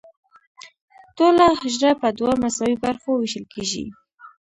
ټوله حجره په دوه مساوي برخو ویشل کیږي.